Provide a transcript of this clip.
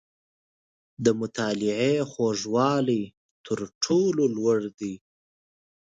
• د مطالعې خوږوالی، تر ټولو لوړ دی.